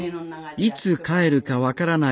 いつ帰るか分からない